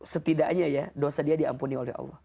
setidaknya ya dosa dia diampuni oleh allah